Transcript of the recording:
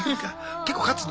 結構勝つの？